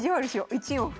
１四歩。